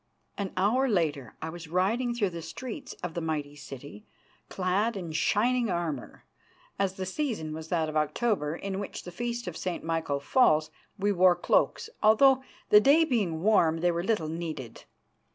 An hour later I was riding through the streets of the mighty city, clad in shining armour. As the season was that of October, in which the Feast of St. Michael falls, we wore cloaks, although, the day being warm, they were little needed.